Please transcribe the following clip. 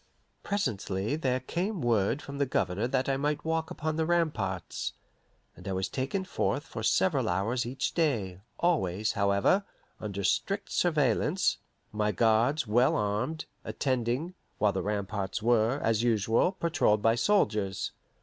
Presently there came word from the Governor that I might walk upon the ramparts, and I was taken forth for several hours each day; always, however, under strict surveillance, my guards, well armed, attending, while the ramparts were, as usual, patrolled by soldiers.